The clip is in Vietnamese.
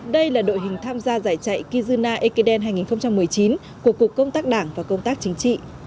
đây là đội hình tham gia giải chạy kizuna ekiden hai nghìn một mươi chín của cục công tác đảng và công tác chính trị